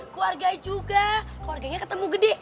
keluarga juga keluarganya ketemu gede